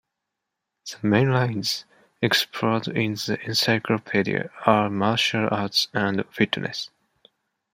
The main lines explored in the encyclopedia are martial arts and fitness.